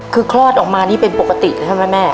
คือคลอดออกมานี่เป็นปกติใช่ไหมแม่